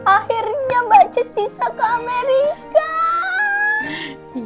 akhirnya mbak cis bisa ke amerika